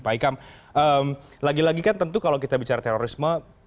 pak hikam lagi lagi kan tentu kalau kita bicara terorisme